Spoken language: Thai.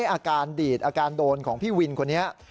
อาการดีดอาการโดนของพี่วินคนนี้